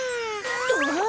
あっ。